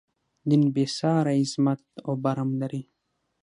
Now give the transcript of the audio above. دین بې ساری عظمت او برم لري.